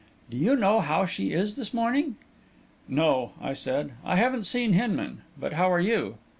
Do you know how she is this morning?" "No," I said; "I haven't seen Hinman. But how are you?"